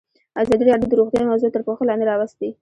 ازادي راډیو د روغتیا موضوع تر پوښښ لاندې راوستې.